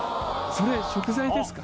それ食材ですか？